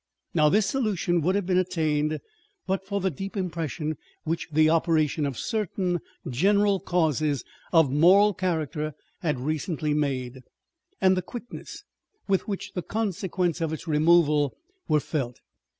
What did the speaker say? Now this solution would have been attained but for the deep impression which the operation of certain general causes of moral character had recently made, and the quickness with which the consequences of its removal were felt.